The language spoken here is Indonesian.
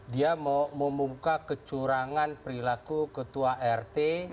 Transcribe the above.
dia mau buka kecurangan perilaku ketua rt